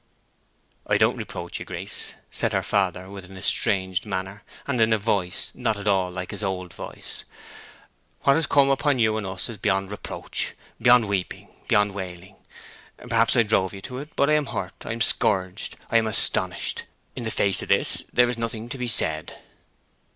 "I don't reproach you, Grace," said her father, with an estranged manner, and in a voice not at all like his old voice. "What has come upon you and us is beyond reproach, beyond weeping, and beyond wailing. Perhaps I drove you to it. But I am hurt; I am scourged; I am astonished. In the face of this there is nothing to be said."